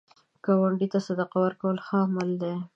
ګاونډي ته صدقه ورکول ښه عمل دی